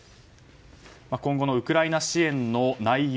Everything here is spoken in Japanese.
今後のウクライナ支援の内容